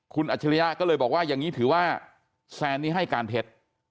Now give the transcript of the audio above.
คุณอัจฉริยะก็เลยบอกว่าอย่างนี้ถือว่าแซนนี้ให้การเท็จ